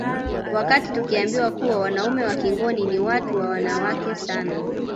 Wakati tukiambiwa kuwa wanaume wa Kingoni ni watu wa wanawake sana